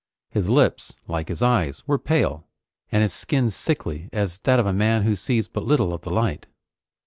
His lips, like his eyes, were pale, and his skin sickly as that of a man who sees but little of the light.